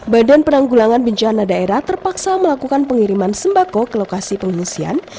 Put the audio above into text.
badan penanggulangan bencana daerah terpaksa melakukan pengiriman sembako ke lokasi pengungsian